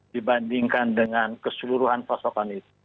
dibandingkan dengan keseluruhan pasokan itu